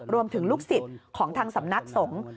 ลูกศิษย์ของทางสำนักสงฆ์